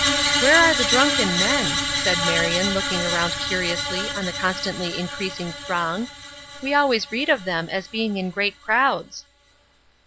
"Where are the drunken men?" said Marion, looking around curiously on the constantly increasing throng. "We always read of them as being in great crowds."